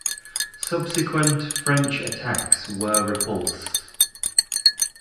Subsequent French attacks were repulsed.